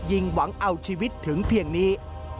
หวังเอาชีวิตถึงเพียงนี้